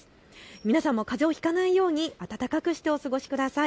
皆さんもかぜをひかないように暖かくしてお過ごしください。